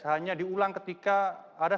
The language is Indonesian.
hanya diulang ketika ada